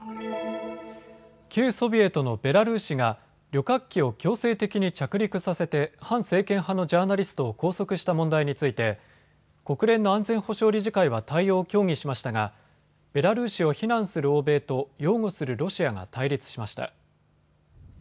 旧ソビエトのベラルーシが旅客機を強制的に着陸させて反政権派のジャーナリストを拘束した問題について国連の安全保障理事会は対応を協議しましたがベラルーシを非難する欧米と擁護するロシアが対立しました。